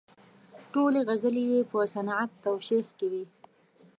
ټولې غزلې یې په صنعت توشیح کې وې.